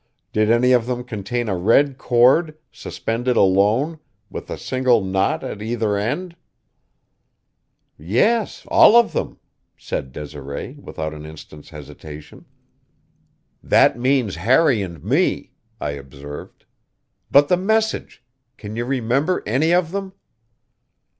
"Did any of them contain a red cord, suspended alone, with a single knot at either end?" "Yes, all of them," said Desiree without an instant's hesitation. "That means Harry and me," I observed. "But the message! Can you remember any of them?"